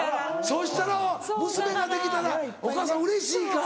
そしたら娘ができたらお母さんうれしいか。